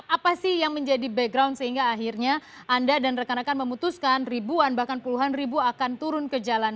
apa sih yang menjadi background sehingga akhirnya anda dan rekan rekan memutuskan ribuan bahkan puluhan ribu akan turun ke jalan